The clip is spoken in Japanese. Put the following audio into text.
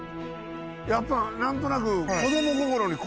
やっぱ何となく。